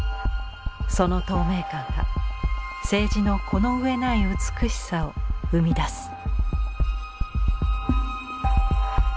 その透明感が青磁のこの上ない美しさを生み出す。